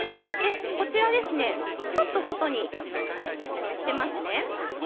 こちらですね、ちょっと外に出ますね。